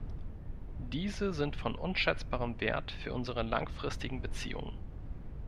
Diese sind von unschätzbarem Wert für unsere langfristigen Beziehungen.